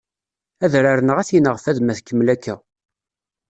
Adrar-nneɣ ad t-ineɣ fad ma tkemmel akka